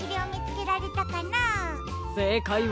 せいかいは。